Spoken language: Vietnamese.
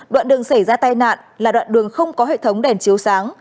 đoạn đường xảy ra tai nạn là đoạn đường không có hệ thống đèn chiếu sáng